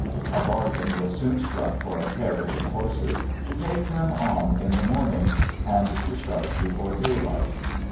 A bargain was soon struck for a carriage and horses, to take them on in the morning, and to start before daylight.